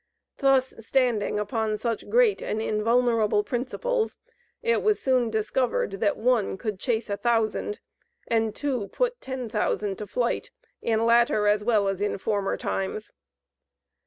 Thus standing upon such great and invulnerable principles, it was soon discovered that one could chase a thousand, and two put ten thousand to flight in latter as well as in former times.